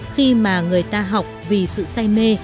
khi mà người ta học vì sự say mê